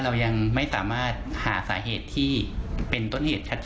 เรายังไม่สามารถหาสาเหตุที่เป็นต้นเหตุชัดเจ